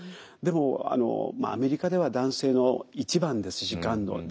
でもアメリカでは男性の１番ですしがんの。